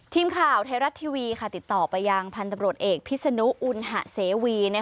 ทีมข่าวไทยรัฐทีวีติดต่อไปยังพันธุ์ตำรวจเอกพิษนุอุณหะเสวี